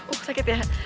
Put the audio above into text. oh sakit ya